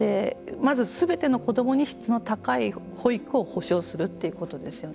まず、すべての子どもに質の高い保育を保証するということですよね。